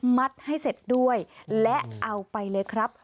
มัดให้เสร็จด้วยและเอาไปเลยครับ